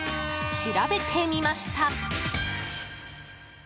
調べてみました。